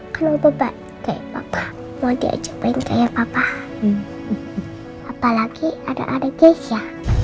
kalau bebek kayak papa mau diajakin kayak papa apalagi ada ada keisha